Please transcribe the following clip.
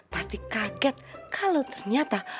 pasti kaget kalau ternyata